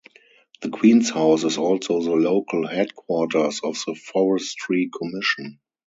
The Queen's House is also the local headquarters of the Forestry Commission.